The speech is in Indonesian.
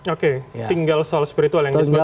oke tinggal soal spiritual yang disebutkan tadi ya